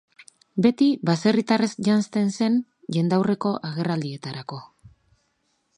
Beti baserritarrez janzten zen jendaurreko agerraldietarako.